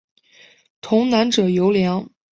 童男者尤良。